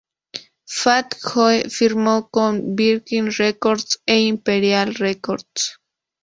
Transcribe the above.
Fat Joe firmó con Virgin Records e Imperial Records.